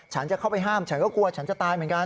ฉันจะเข้าไปห้ามฉันก็กลัวฉันจะตายเหมือนกัน